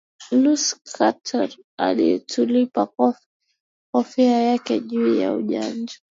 lucy carter alitupa kofia yake juu kwa ujanja